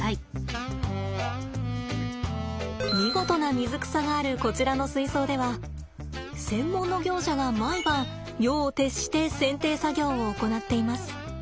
見事な水草があるこちらの水槽では専門の業者が毎晩夜を徹して剪定作業を行っています。